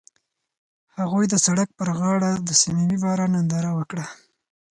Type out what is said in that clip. هغوی د سړک پر غاړه د صمیمي باران ننداره وکړه.